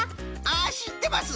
あっしってます！